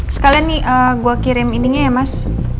sekalian nih gua kirim ini ya mas